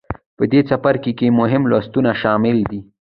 په دې څپرکې کې مهم لوستونه شامل دي.